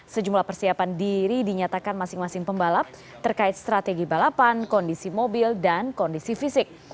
sejumlah persiapan diri dinyatakan masing masing pembalap terkait strategi balapan kondisi mobil dan kondisi fisik